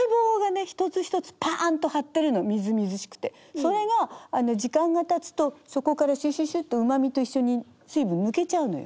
それが時間がたつとそこからシュシュシュッとうまみと一緒に水分抜けちゃうのよ。